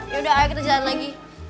yaudah ayo kita jalan lagi